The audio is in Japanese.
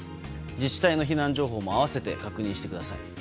自治体の避難情報も併せて確認してください。